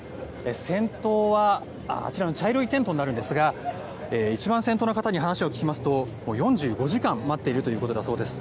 先頭はあちらの茶色いテントになるんですが一番先頭の方に話を聞きますと４５時間待っているということだそうです。